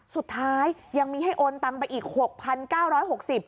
สุดท้ายยังมีให้โอนตังไปอีก๖๙๖๐บาท